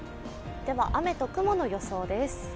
雨と雲の予想です。